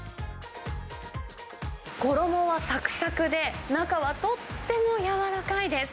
衣はさくさくで、中はとっても柔らかいです。